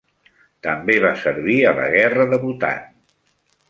També va servir a la guerra de Bhutan.